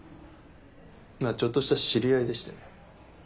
ちょっとした知り合いでしてね。